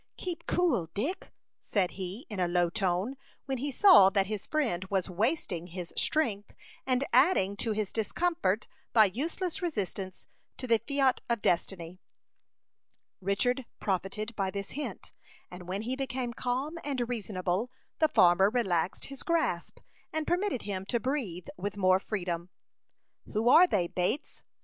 "Keep cool, Dick," said he, in a low tone, when he saw that his friend was wasting his strength and adding to his discomfort by useless resistance to the fiat of destiny. Richard profited by this hint; and when he became calm and reasonable, the farmer relaxed his grasp, and permitted him to breathe with more freedom. "Who are they, Bates?"